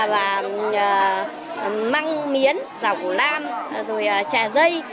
và mang miến dọc lam rồi trà dây